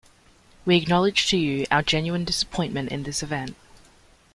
We acknowledge to you our genuine disappointment in this event.